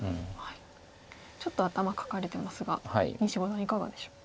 ちょっと頭かかれてますが印象はいかがでしょう？